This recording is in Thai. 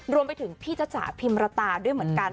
รวมไปถึงพี่จตาพิมพ์ละตาเหมือนกัน